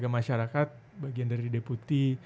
masyarakat bagian dari deputi